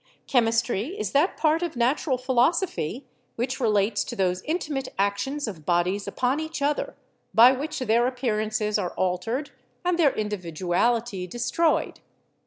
"Chemistry is that part of nat ural philosophy which relates to those intimate actions of bodies upon each other, by which their appearances are altered and their individuality destroyed."